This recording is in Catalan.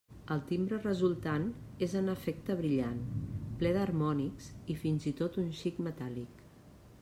El timbre resultant és en efecte brillant, ple d'harmònics i fins i tot un xic metàl·lic.